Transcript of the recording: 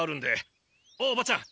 おばちゃん。